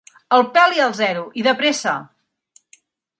El peli al zero, i de pressa!